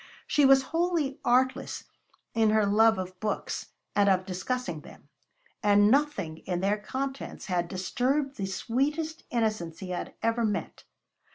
She was wholly artless in her love of books and of discussing them; and nothing in their contents had disturbed the sweetest innocence he had ever met.